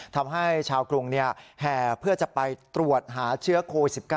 ทำให้ชาวกรุงแห่เพื่อจะไปตรวจหาเชื้อโควิด๑๙